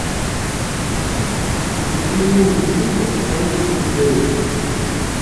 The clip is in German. Die Immunität ist kein Privileg.